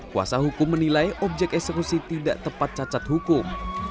kuasa hukum menilai objek eksekusi tidak tepat cacat hukum